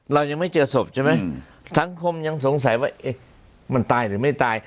เรายังไม่เจอศพใช่ไหมสังคมยังสงสัยว่ามันตายหรือไม่ตาย